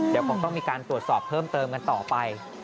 เดี๋ยวคงต้องมีการตรวจสอบเพิ่มเติมกันต่อไป